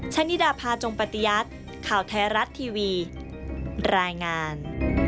ชะนิดาพาจงปฏิยัติข่าวไทยรัฐทีวีรายงาน